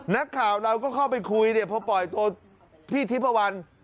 นักข่าวเราก็เข้าไปคุยเนี่ยพอปล่อยตัวพี่ทิพวัน